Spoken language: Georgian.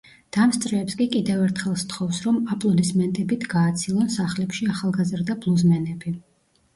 დამსწრეებს კი კიდევ ერთხელ სთხოვს რომ აპლოდისმენტებით გააცილონ სახლებში ახალგაზრდა ბლუზმენები.